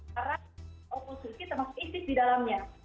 para oposisi termasuk isis di dalamnya